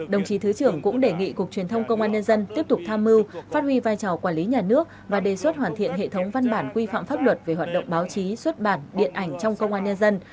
đồng chí thứ trưởng cũng đề nghị cục truyền thông công an nhân dân tiếp tục tham mưu phát huy vai trò quản lý nhà nước và đề xuất hoàn thiện hệ thống văn bản quy phạm pháp luật về hoạt động báo chí xuất bản điện ảnh trong công an nhân dân